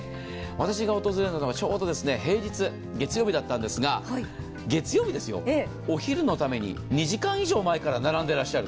私が訪れたのはちょうど平日、月曜日だったんですが、月曜日ですよ、お昼のために２時間以上前から並んでいらっしゃる。